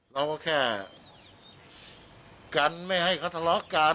เราก็แค่กันไม่ให้เขาทะเลาะกัน